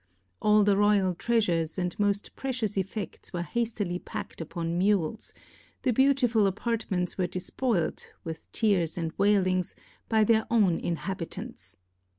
All the royal treasures and most precious effects were hastily packed upon mules; the beautiful apartments were despoiled, with tears and wailings, by their own inhabitants.